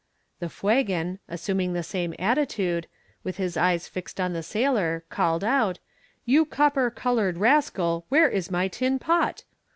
The Fuegan, assuming the same attitude, with his eyes fixed on the sailor, called out, 'You copper coloured rascal, where is my tin pot?'